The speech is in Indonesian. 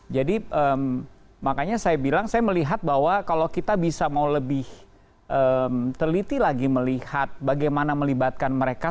jadi makanya saya bilang saya melihat bahwa kalau kita bisa mau lebih terliti lagi melihat bagaimana melibatkan mereka